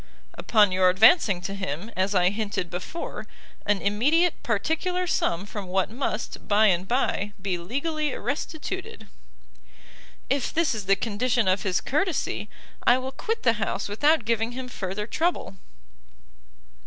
"Upon your advancing to him, as I hinted before, an immediate particular sum from what must, by and bye, be legally restituted." "If this is the condition of his courtesy, I will quit the house without giving him further trouble."